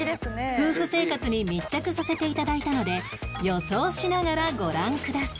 夫婦生活に密着させて頂いたので予想しながらご覧ください